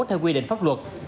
theo quy định pháp luật